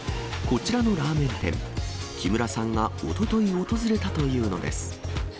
こちらのラーメン店、木村さんがおととい訪れたというのです。